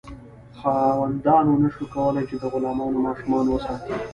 خاوندانو نشو کولی چې د غلامانو ماشومان وساتي.